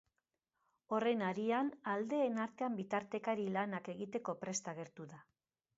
Horren harian, aldeen artean bitartekari lanak egiteko prest agertu da.